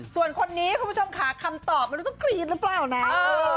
ส่วนคนนี้คุณผู้ชมค่ะคำตอบคิดใจใจเนี้ย